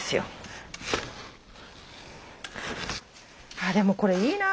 あでもこれいいな。